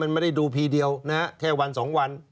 มันไม่ได้ดูพีเดียวนะแค่วันสองวัน